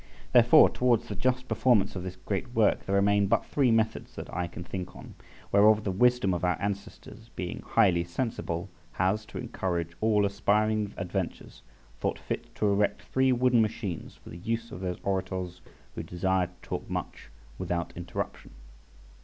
Therefore, towards the just performance of this great work there remain but three methods that I can think on; whereof the wisdom of our ancestors being highly sensible, has, to encourage all aspiring adventures, thought fit to erect three wooden machines for the use of those orators who desire to talk much without interruption.